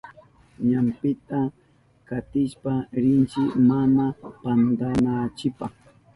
Ñampita katishpa rinchi mana pantananchipa.